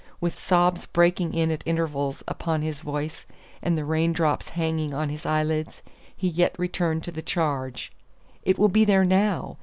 With sobs breaking in at intervals upon his voice, and the rain drops hanging on his eyelids, he yet returned to the charge. "It will be there now!